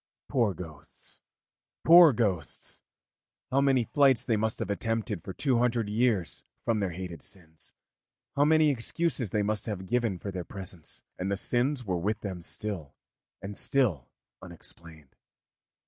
Poor ghosts, poor ghosts! how many flights they must have attempted for two hundred years from their hated sins, how many excuses they must have given for their presence, and the sins were with them still and still unexplained.